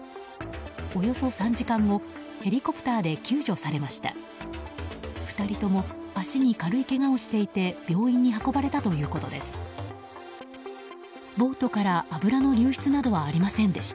およそ３時間後ヘリコプターで救助されました。